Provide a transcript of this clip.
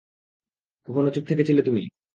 কখনো চুপ থেকেছিলে তুমি?